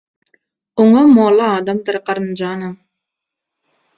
Оňa mоlla adamdyr garynjanam